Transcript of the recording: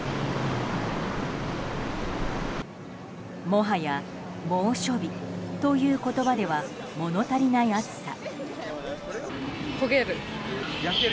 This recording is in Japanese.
もはや猛暑日という言葉では物足りない暑さ。